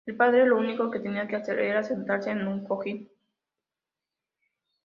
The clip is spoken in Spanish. El padre lo único que tenía que hacer era sentarse en un cojín.